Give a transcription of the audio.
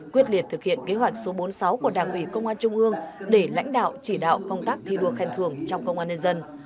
quyết liệt thực hiện kế hoạch số bốn mươi sáu của đảng ủy công an trung ương để lãnh đạo chỉ đạo công tác thi đua khen thưởng trong công an nhân dân